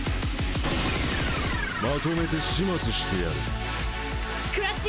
まとめて始末してやるクラっち！